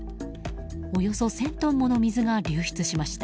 およそ１０００トンもの水が流出しました。